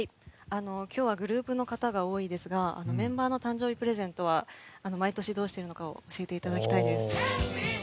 今日はグループの方が多いですがメンバーの誕生日プレゼントは毎年どうしているのかを教えていただきたいです。